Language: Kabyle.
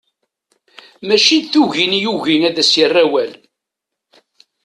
Mačči d tugin i yugi ad as-yerrawal.